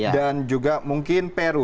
dan juga mungkin peru